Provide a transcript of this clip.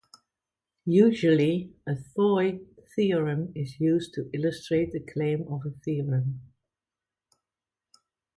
Usually, a toy theorem is used to illustrate the claim of a theorem.